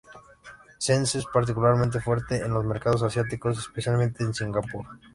Zen es particularmente fuerte en los mercados asiáticos, especialmente en Singapur.